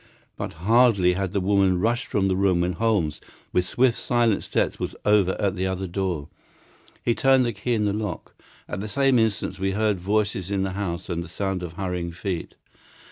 But hardly had the woman rushed from the room when Holmes, with swift, silent steps, was over at the other door. He turned the key in the lock. At the same instant we heard voices in the house and the sound of hurrying feet.